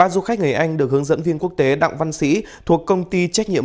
ba du khách người anh được hướng dẫn viên quốc tế đặng văn sĩ thuộc công ty trách nhiệm